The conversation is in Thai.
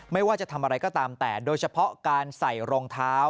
ไม่ว่าจะทำอะไรก็ตามแต่โดยเฉพาะการใส่รองเท้า